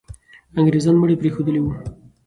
انګریزان مړي پرېښودلي وو.